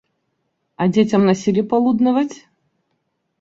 А дзецям насілі палуднаваць?